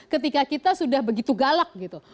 ketika kita sudah begitu galak gitu